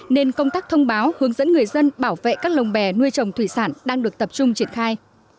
nên công tác thông báo hướng dẫn người dân bảo vệ các lồng bè nuôi trồng thủy sản đang được tập trung triển khai